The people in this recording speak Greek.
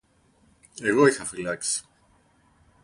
Εγώ είχα φυλάξει